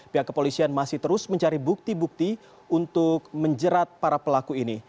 pihak kepolisian masih terus mencari bukti bukti untuk menjerat para pelaku ini